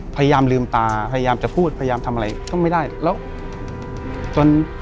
พยายามลืมตาพยายามจะพูดพยายามทำอะไรก็ไม่ได้แล้วจน